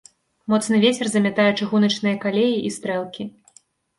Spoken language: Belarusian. Моцны вецер замятае чыгуначныя калеі і стрэлкі.